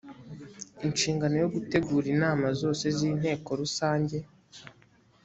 inshingano yo gutegura inama zose z’inteko rusange